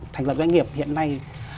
thành lập doanh nghiệp hiện nay